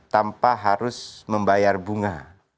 tanpa harus membayar bunga